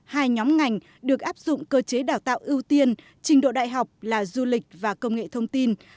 hai nhóm ngành được áp dụng cơ chế đào tạo ưu tiên trình độ đại học là du lịch và công nghệ thông tin